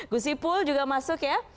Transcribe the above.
gusipul juga masuk ya